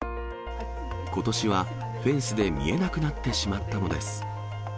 ことしはフェンスで見えなくなってしまったのです。